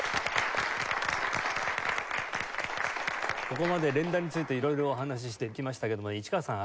ここまで連弾についていろいろお話ししてきましたけども市川さん